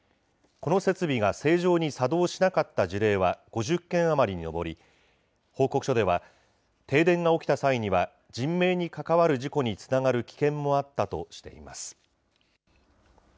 この設備が正常に作動しなかった事例は、５０件余りに上り、報告書では、停電が起きた際には、人命に関わる事故につながる危険もあったとしています。